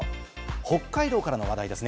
北海道からの話題です。